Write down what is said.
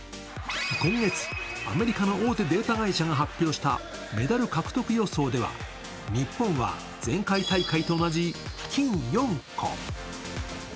今月、アメリカの大手データ会社が発表したメダル獲得予想では日本は前回大会と同じ金４個。